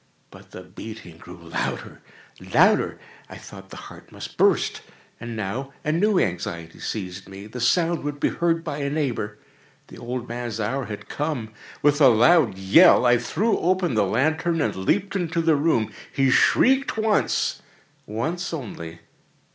But the beating grew louder, louder! I thought the heart must burst. And now a new anxiety seized me—the sound would be heard by a neighbour! The old man's hour had come! With a loud yell, I threw open the lantern and leaped into the room. He shrieked once—once only.